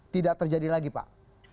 tidak terjadi lagi pak